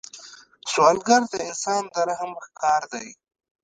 سوالګر د انسان د رحم ښکار دی